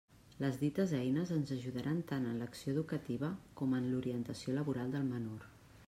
Les dites eines ens ajudaran tant en l'acció educativa com en l'orientació laboral del menor.